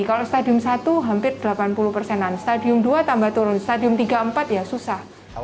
kalau stadium satu hampir delapan puluh persenan stadium dua tambah turun stadium tiga empat ya susah